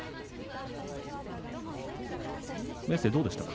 明生、どうでしたか。